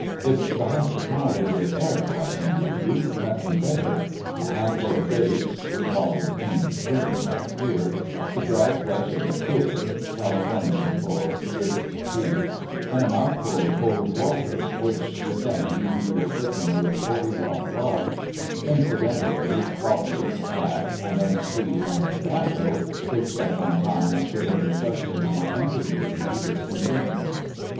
It's the hospitality of the Arab I can give you; nothing better. A handful of dates (we call 'em caned prunes out here), the dried flesh of a kid (Californian for jerked beef), and a mouthful of cold water, which the same we will thicken with forty rod rye; incidentally, coffee, black and unsweet, and tobacco, which at one time I should have requested my undergroom to discontinue."